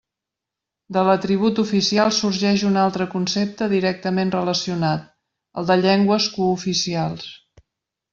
De l'atribut oficial sorgeix un altre concepte directament relacionat, el de llengües cooficials.